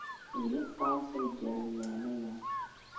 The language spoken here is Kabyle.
D yiwet n tɣawsa yeggaren leɛnaya.